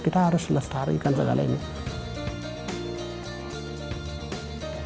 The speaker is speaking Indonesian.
kita harus selestarikan segalanya